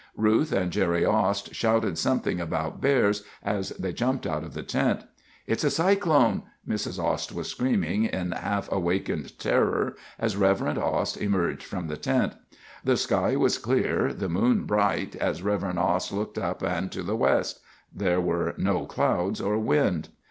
Ruth and Gerry Ost shouted something about bears as they jumped out of the tent. "It's a cyclone!" Mrs. Ost was screaming in half wakened terror as Rev. Ost emerged from the tent. The sky was clear, the moon bright, as Rev. Ost looked up and to the west. There were no clouds or wind.